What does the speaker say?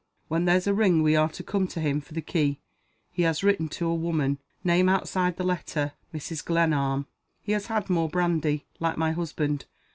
When there's a ring we are to come to him for the key. He has written to a woman. Name outside the letter, Mrs. Glenarm. He has had more brandy. Like my husband.